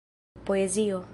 poezio